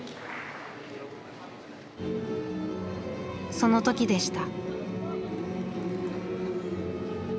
その時でした。